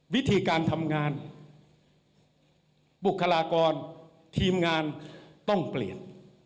วิธีการทำงานบุคลากรทีมงานต้องเปลี่ยน